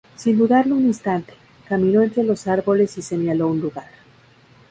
Sin dudarlo un instante, caminó entre los árboles y señaló un lugar.